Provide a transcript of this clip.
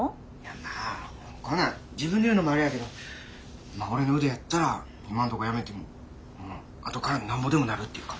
まあこんなん自分で言うのもあれやけどまあ俺の腕やったら今んとこ辞めても後からなんぼでもなるっていうか。